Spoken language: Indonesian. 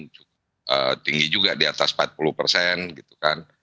ini cukup tinggi juga di atas empat puluh persen